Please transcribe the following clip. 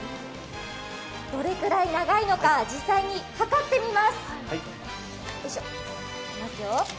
どれくらい長いのか、実際に測ってみます。